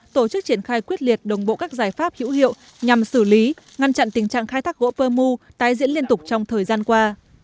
tổ chức triển khai quyết liệt đồng bộ các giải pháp hữu hiệu nhằm xử lý ngăn chặn tình trạng khai thác gỗ pơ mu tái diễn liên tục trong thời gian qua